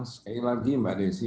sekali lagi mbak desi